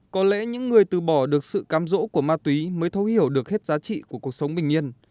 có lẽ những người từ bỏ được sự cam rỗ của ma túy mới thấu hiểu được hết giá trị của cuộc sống bình yên